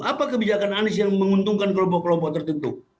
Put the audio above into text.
apa kebijakan anies yang menguntungkan kelompok kelompok tertentu